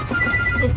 えっ？